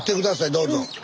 どうぞ。